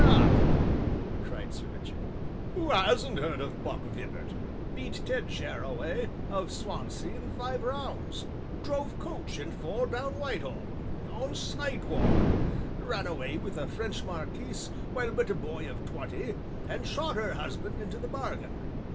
"Egad!" cried Sir Richard, "who hasn't heard of Buck Vibart beat Ted Jarraway of Swansea in five rounds drove coach and four down Whitehall on sidewalk ran away with a French marquise while but a boy of twenty, and shot her husband into the bargain.